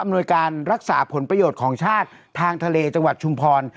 หน่วยการรักษาผลประโยชน์ของชาติทางทะเลจังหวัดชุมพร